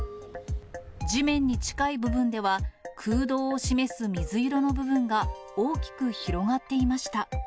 地面に近い部分では、空洞を示す水色の部分が、大きく広がっていました。